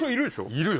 いるよ！